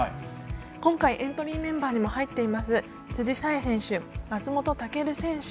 今回、エントリーメンバーにも入っています辻沙絵選手、松本武尊選手